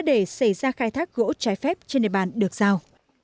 để xảy ra khai thác gỗ trái phép trên địa bàn được giao